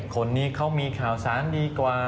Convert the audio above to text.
คนนี้เขามีข่าวสารดีกว่า